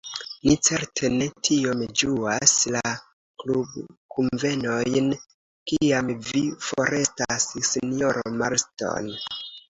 Ni certe ne tiom ĝuas la klubkunvenojn, kiam vi forestas, sinjoro Marston.